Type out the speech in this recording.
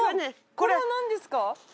これは何ですか？